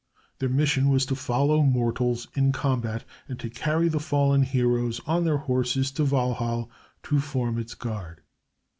Their mission was to follow mortals in combat and to carry the fallen heroes on their horses to Walhall to form its guard.